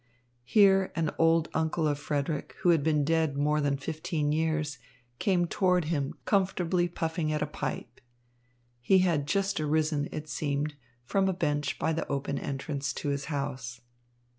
Here an old uncle of Frederick, who had been dead more than fifteen years, came toward him comfortably puffing at a pipe. He had just arisen, it seemed, from a bench by the open entrance to his house.